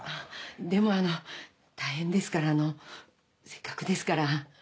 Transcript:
でもあの大変ですからせっかくですから。